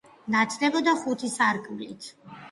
ნათდებოდა ხუთი სარკმელით.